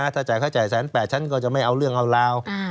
ถ้าจ่ายค่าแสนแปดชั้นก็จะไม่เอาเรื่องเอาราว